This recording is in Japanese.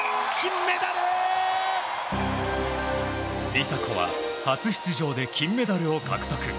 梨紗子は初出場で金メダルを獲得。